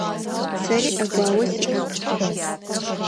Сэри ӏэгуао сиӏэп.